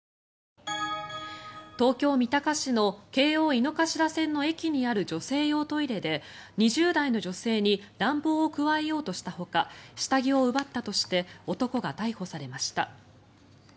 東京・三鷹市の京王井の頭線の駅にある女性用トイレで２０代の女性に乱暴を加えようとしたほか下着を奪ったとして男が逮捕されました。